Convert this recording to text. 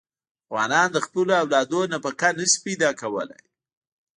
افغانان د خپلو اولادونو نفقه نه شي پیدا کولی.